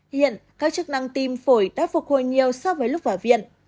hiện các chức năng tim phổi đã phục hồi nhiều so với lúc vào viện